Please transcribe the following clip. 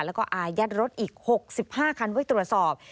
แล้วก็อายัดรถอีก๖๕คันไว้ตรวจสอบ